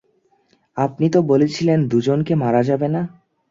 আপনি তো বলেছিলেন দুজনকে মারা যাবে না।